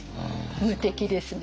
無敵ですね。